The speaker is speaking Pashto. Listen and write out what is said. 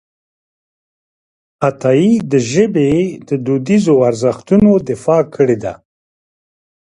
عطایي د ژبې د دودیزو ارزښتونو دفاع کړې ده.